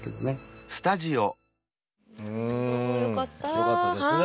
よかったですね。